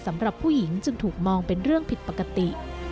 สำหรับผู้หญิงจึงถูกมองเป็นเรื่องผิดปกติ